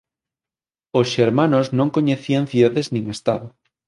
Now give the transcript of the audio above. Os xermanos non coñecían cidades nin Estado.